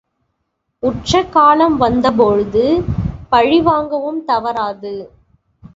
உற்ற காலம் வந்தபோழ்து பழிவாங்கவும் தவறாது.